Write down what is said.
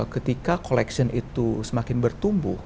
ketika collection itu semakin bertumbuh